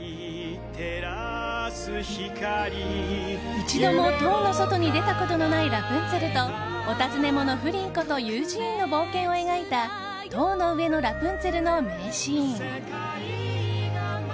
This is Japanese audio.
一度も塔の外に出たことのないラプンツェルとおたずね者フリンことユージーンの冒険を描いた「塔の上のラプンツェル」の名シーン。